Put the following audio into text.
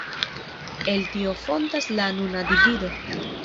El tio fontas la nuna divido.